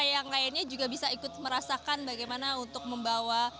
yang lainnya juga bisa ikut merasakan bagaimana untuk membawa